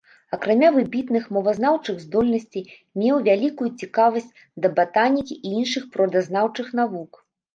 Акрамя выбітных мовазнаўчых здольнасцей меў вялікую цікавасць да батанікі і іншых прыродазнаўчых навук.